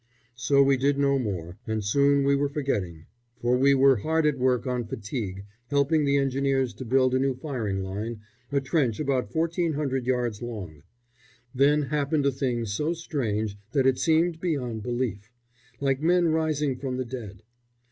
So we did no more, and soon we were forgetting; for we were hard at work on fatigue, helping the Engineers to build a new firing line, a trench about 1400 yards long. Then happened a thing so strange that it seemed beyond belief, like men rising from the dead.